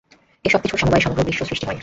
এই সবকিছুর সমবায়ে সমগ্র বিশ্ব সৃষ্ট হয়।